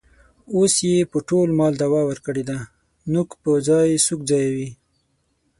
اوس یې په ټول مال دعوه ورکړې ده. د نوک په ځای سوک ځایوي.